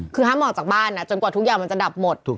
คือห้ามออกจากบ้านจนกว่าทุกอย่างมันจะดับหมด